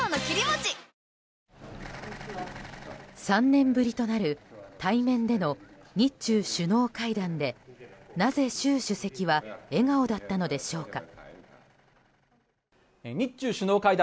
３年ぶりとなる対面での日中首脳会談でなぜ習主席は笑顔だったのでしょうか。